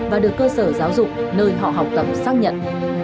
và được cơ sở giáo dục nơi họ học tập xác nhận